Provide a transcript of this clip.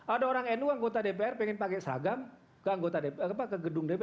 ada orang nu anggota dpr pengen pakai seragam ke gedung dpr